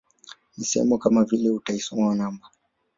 Misemo kama vile utaisoma namba